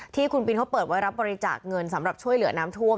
ที่คุณบินเขาเปิดไว้รับบริจาคเงินสำหรับช่วยเหลือน้ำท่วม